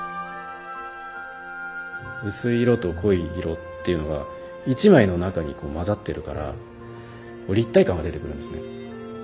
薄い色と濃い色っていうのが１枚の中にこう混ざってるから立体感が出てくるんですね。